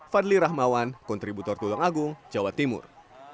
fadli rahmawan kontributor tulungagung jawa timur